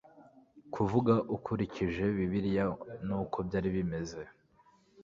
kuvuga ukurikije bibiliya n'uko byari bimeze